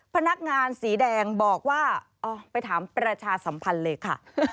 พนักงานสีแดงบอกว่าเอาไปถามประชาสัมพันธ์เลยค่ะ